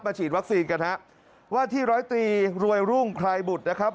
ฉีดวัคซีนกันฮะว่าที่ร้อยตรีรวยรุ่งพลายบุตรนะครับ